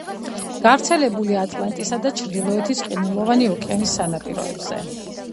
გავრცელებულია ატლანტისა და ჩრდილოეთის ყინულოვანი ოკეანის სანაპიროებზე.